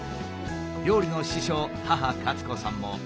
料理の師匠母カツ子さんも。